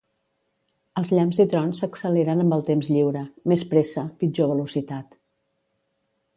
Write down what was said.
Els llamps i trons s'acceleren amb el temps lliure. Més pressa, pitjor velocitat.